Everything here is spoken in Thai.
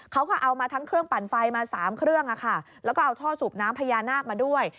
เขาก็เอามาทั้งเครื่องปั่นไฟมา๓เครื่องแล้วก็เอาท่อสูบน้ำพญานาคมาด้วย